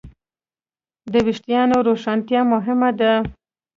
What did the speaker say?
د وېښتیانو روښانتیا مهمه ده.